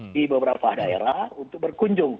di beberapa daerah untuk berkunjung